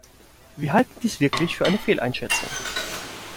Wir halten dies wirklich für eine Fehleinschätzung.